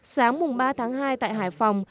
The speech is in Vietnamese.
sáng mùng ba tháng hai tại hải phòng